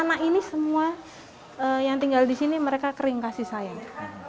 anak ini semua yang tinggal di sini mereka kering kasih sayang